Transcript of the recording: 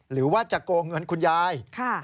หรือว่าจะโกงเงินคุณยาย